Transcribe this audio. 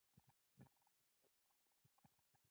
قاتل د رحم وړ نه دی